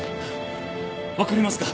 わかりますか？